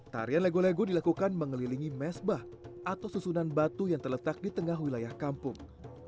tarian lego lego dilakukan mengelilingi mesbah atau susunan batu yang terletak di tengah wilayah kampung